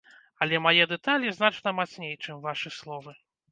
Але мае дэталі значна мацней, чым вашы словы.